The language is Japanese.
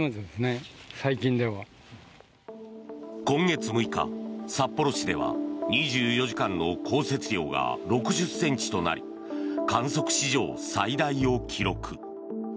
今月６日札幌市では２４時間の降雪量が６０ｃｍとなり観測史上最大を記録。